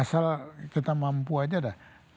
asal kita mampu aja dah